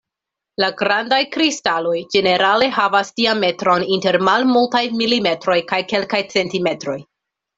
La grandaj kristaloj ĝenerale havas diametron inter malmultaj milimetroj kaj kelkaj centimetroj.